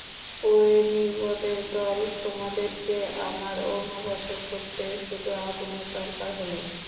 ওরে নির্বোধের দল, তোমাদেরকে আমার অনুগত করতে শুধু আগুনের দরকার হল।